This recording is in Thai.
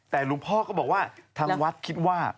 แต่หลวงพ่อก็บอกว่าทางวัดคิดว่า